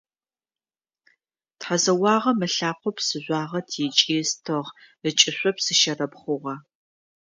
Тхьэзэуагъэм ылъакъо псыжъуагъэ текӏи ыстыгъ, ыкӏышъо псыщэрэб хъугъэ.